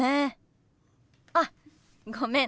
あごめん。